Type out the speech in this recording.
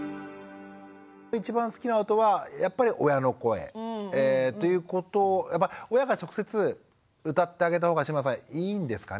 一番好きな音はやっぱり親の声ということやっぱ親が直接歌ってあげたほうが志村さんいいんですかね？